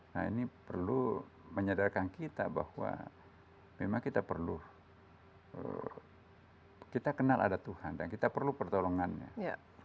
nah ini perlu menyadarkan kita bahwa memang kita perlu kita kenal ada tuhan dan kita perlu pertolongannya